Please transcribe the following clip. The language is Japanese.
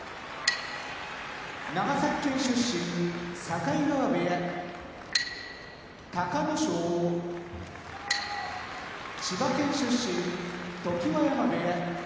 長崎県出身境川部屋隆の勝千葉県出身常盤山部屋